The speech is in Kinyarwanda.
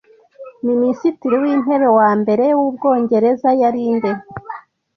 Minisitiri w’intebe wa mbere w’Ubwongereza yari nde